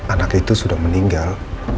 anak itu sudah meninggal